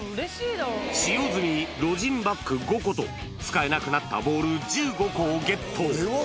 使用済みロジンバッグ５個と使えなくなったボール１５個をゲット。